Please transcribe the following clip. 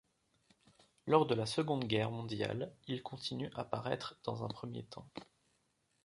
Lors de la Seconde Guerre mondiale, il continue à paraître dans un premier temps.